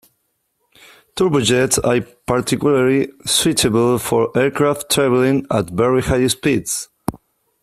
Turbojets are particularly suitable for aircraft travelling at very high speeds.